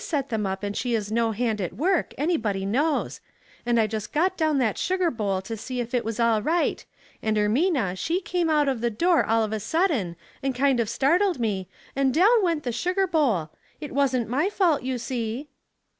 set them up, and she is no hand at work, anybody knows ; and I just got down that sugar bowl to 170 Househcld Fuzzles. see if it was all right, and Ermina she cart.* out of the dooT" all of a sudden, and kind of startled me, and down went the sugar bowl. It wasn't my fault, you see."